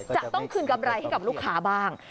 จะต้องคืนกำไรให้กับลูกค้าบ้าง